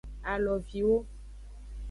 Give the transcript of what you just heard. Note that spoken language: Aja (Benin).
Aloviwo.